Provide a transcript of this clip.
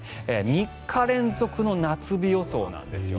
３日連続の夏日予想なんです。